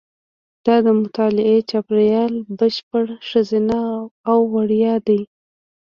دا د مطالعې چاپېریال بشپړ ښځینه او وړیا دی.